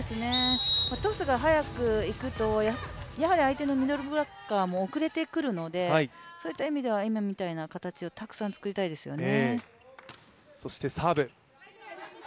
トスが速くいくと、相手のミドルブロッカーも遅れてくるので、そういった意味では今みたいな形をたくさん作りたいですよね。